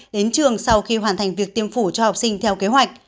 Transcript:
đến trường sau khi hoàn thành việc tiêm phổ cho học sinh theo kế hoạch